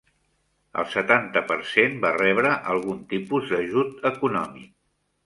El setanta per cent va rebre algun tipus d'ajut econòmic.